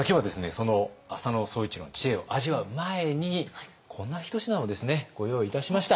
その浅野総一郎の知恵を味わう前にこんな一品をですねご用意いたしました。